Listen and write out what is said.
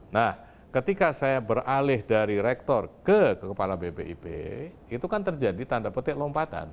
nah ketika saya beralih dari rektor ke kepala bpip itu kan terjadi tanda petik lompatan